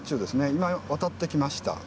今渡ってきました。